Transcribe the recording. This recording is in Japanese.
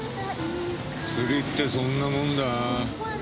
釣りってそんなもんだ。